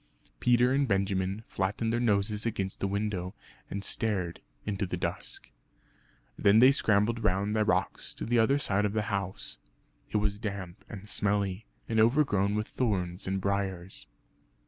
Peter and Benjamin flattened their noses against the window, and stared into the dusk. Then they scrambled round the rocks to the other side of the house. It was damp and smelly, and overgrown with thorns and briars.